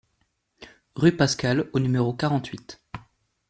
Rue Pascal au numéro quarante-huit